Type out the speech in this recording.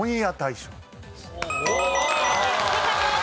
正解です。